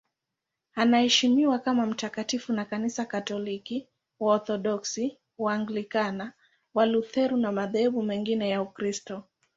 Anaheshimiwa kama mtakatifu na Kanisa Katoliki, Waorthodoksi, Waanglikana, Walutheri na madhehebu mengine ya Ukristo.